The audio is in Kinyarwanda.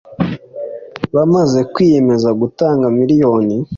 bamaze kwiyemeza gutanga miliyoni